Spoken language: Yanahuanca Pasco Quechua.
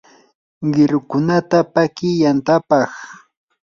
qirukunata paki yantapaq.